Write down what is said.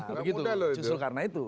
nah begitu justru karena itu